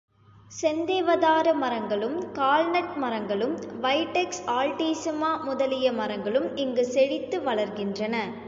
செந்தேவதாரு மரங்களும், கால் நட் மரங்களும், வைடெக்ஸ், ஆல்டீசிமா முதலிய மரங்களும் இங்கு செழித்து வளர்கின்றன.